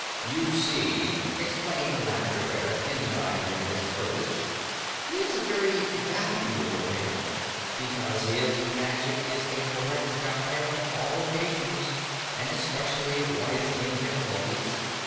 "You see," explained the Lavender King in denying them this privilege, "he's a very valuable bear, because his magic is a correct guide on all occasions, and especially if one is in difficulties.